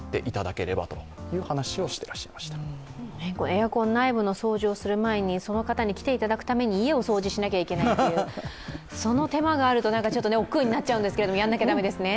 エアコン内部の掃除をする前にその方に来ていただく前に家を掃除しなきゃいけないという、その手間があるとちょっとね、おっくうになっちゃうんですけど、やんなきゃだめですね